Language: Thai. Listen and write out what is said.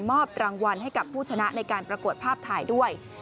รางวัลให้กับผู้ชนะในการประกวดภาพถ่ายด้วย